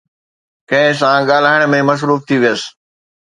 ڪنهن سان ڳالهائڻ ۾ مصروف ٿي ويس